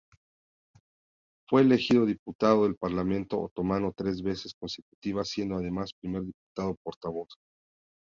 Fue elegido diputado del Parlamento Otomano tres veces consecutivas siendo además primer diputado-portavoz.